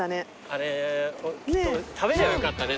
あれ食べりゃよかったね